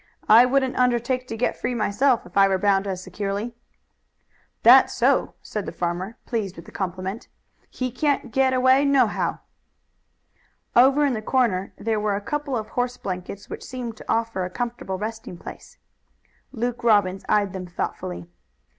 I wouldn't undertake to get free myself if I were bound as securely." "That's so!" said the farmer, pleased with the compliment. "He can't get away nohow." Over in the corner there were a couple of horse blankets which seemed to offer a comfortable resting place. Luke Robbins eyed them thoughtfully.